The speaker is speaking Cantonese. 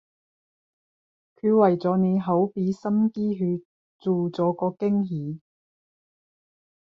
佢為咗你好畀心機去做咗個驚喜